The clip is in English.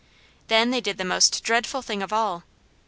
Then they did the most dreadful thing of all.